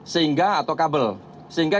sehingga atau kabel sehingga